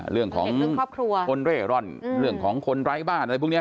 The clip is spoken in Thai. เรื่องของครอบครัวคนเร่ร่อนเรื่องของคนไร้บ้านอะไรพวกนี้